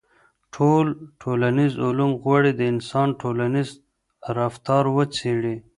ټول ټولنيز علوم غواړي د انسان ټولنيز رفتار وڅېړي.